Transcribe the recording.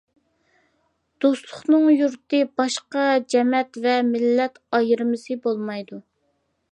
دوستلۇقنىڭ يۇرت، باشقا جەمەت ۋە مىللەت ئايرىمىسى بولمايدۇ.